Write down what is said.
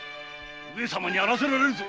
上様にあらせられるぞ。